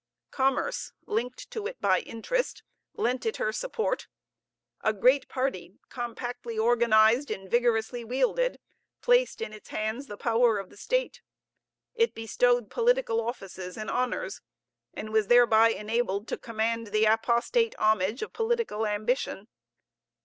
Commerce, linked to it by interest, lent it her support. A great party, compactly organized and vigorously wielded, placed in its hands the power of the state. It bestowed political offices and honors, and was thereby enabled to command the apostate homage of political ambition.